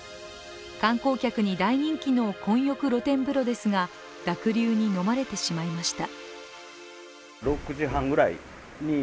観光客に大人気の混浴露天風呂ですが濁流にのまれてしまいました。